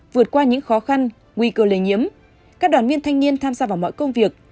vượt qua những khó khăn nguy cơ lây nhiễm các đoàn viên thanh niên tham gia vào mọi công việc